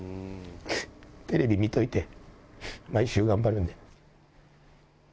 テレビ見といて、毎週頑張るんで。